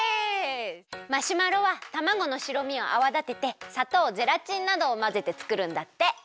マシュマロはたまごの白身をあわだててさとうゼラチンなどをまぜてつくるんだって。